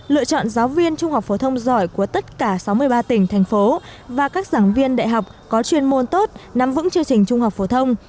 lựa chọn giáo viên trung học phổ thông giỏi của tất cả sáu mươi ba tỉnh thành phố và các giảng viên đại học có chuyên môn tốt nắm vững chương trình trung học phổ thông